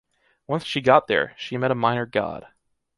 Once she got there, she met a minor god.